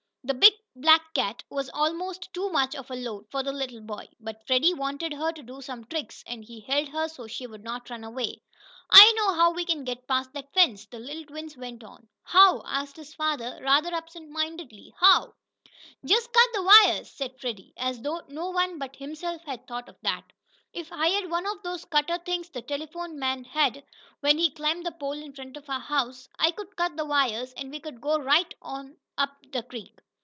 The big black cat was almost too much of a load for the little boy, but Freddie wanted her to do some tricks, and he held her so she would not run away. "I know how to get past that fence," the little twin went on. "How?" asked his father, rather absentmindedly. "How?" "Just cut the wires!" said Freddie, as though no one but himself had thought of that. "If I had one of those cutter things the telephone man had, when he climbed the pole in front of our house, I could cut the wires and we could go right on up the creek."